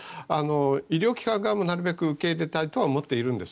医療機関側もなるべく受け入れたいとは思っているんです。